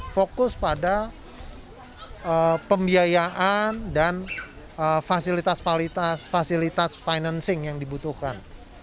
fokus pada pembiayaan dan fasilitas fasilitas financing yang dibutuhkan